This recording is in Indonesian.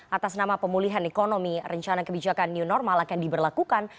atas nama pemulihan ekonomi rencana kebijakan new normal akan diberlakukan